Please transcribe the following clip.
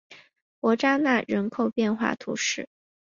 伯扎讷人口变化图示